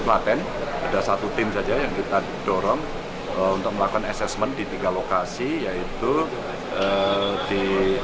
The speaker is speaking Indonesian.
klaten ada satu tim saja yang kita dorong untuk melakukan asesmen di tiga lokasi yaitu di